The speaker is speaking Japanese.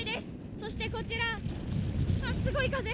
そしてこちら、すごい風。